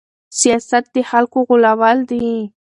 سياست د خلکو غولول دي.